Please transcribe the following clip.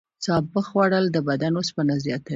سابه خوړل د بدن اوسپنه زیاتوي.